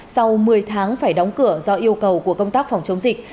sau một mươi tháng phải đóng cửa do yêu cầu của công tác phòng chống dịch